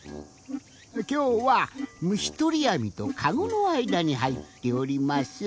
きょうはむしとりあみとかごのあいだにはいっております。